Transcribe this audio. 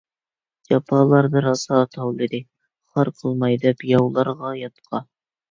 جاپالاردا راسا تاۋلىدى، خار قىلماي دەپ ياۋلارغا ياتقا.